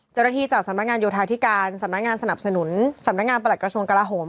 จากสำนักงานโยธาธิการสำนักงานสนับสนุนสำนักงานประหลักกระทรวงกลาโหม